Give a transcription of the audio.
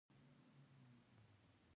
اکا په غوږ کښې راته وويل.